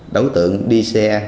đối tượng đi xe